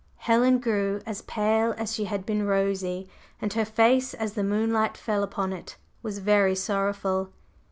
Helen grew as pale as she had been rosy, and her face as the moonlight fell upon it was very sorrowful.